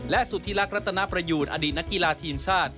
และสุธิรักรัตนประยูนอดีตนักกีฬาทีมชาติ